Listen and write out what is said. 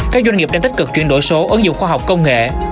các doanh nghiệp đang tích cực chuyển đổi số ứng dụng khoa học công nghệ